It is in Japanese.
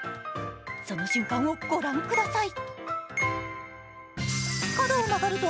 その瞬間をご覧ください。